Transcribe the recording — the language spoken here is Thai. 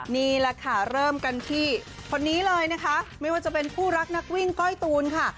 นี่แหละค่ะเริ่มกันที่คนนี้เลยนะคะไม่ว่าจะเป็นคู่รักนักวิ่งก้อยตูนค่ะ